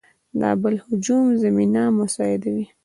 د بل هجوم زمینه مساعد وي.